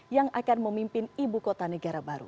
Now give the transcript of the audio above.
yang akan memimpin ibu kota negara baru